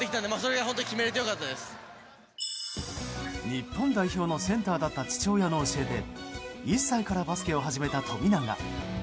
日本代表のセンターだった父親の教えで１歳からバスケを始めた富永。